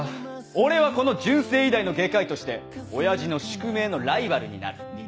俺はこの純正医大の外科医として親父の宿命のライバルになる。